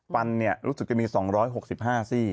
ปั่นเนี่ยรู้สึกจะมี๒๖๕ซี